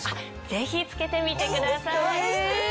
ぜひ着けてみてください。